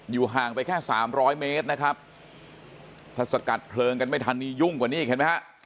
ห่างไปแค่สามร้อยเมตรนะครับถ้าสกัดเพลิงกันไม่ทันนี่ยุ่งกว่านี่เห็นไหมฮะ